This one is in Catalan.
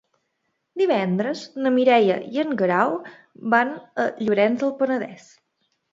Divendres na Mireia i en Guerau van a Llorenç del Penedès.